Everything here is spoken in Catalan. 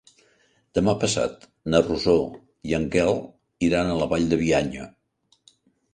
Demà passat na Rosó i en Quel iran a la Vall de Bianya.